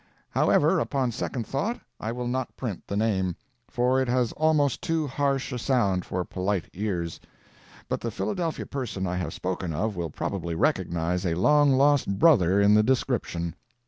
However, upon second thought, I will not print the name, for it has almost too harsh a sound for polite ears; but the Philadelphia person I have spoken of will probably recognize a long lost brother in the description.